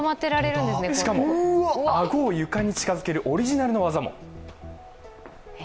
しかも、あごを床に近づけるオリジナルの技も。